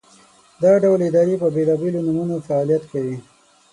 دا ډول ادارې په بېلابېلو نومونو فعالیت کوي.